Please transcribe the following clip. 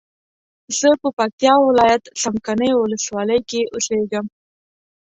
زه په پکتیا ولایت څمکنیو ولسوالۍ کی اوسیږم